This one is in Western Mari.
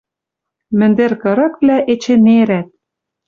Мӹндӹр кырыквлӓ эче нерӓт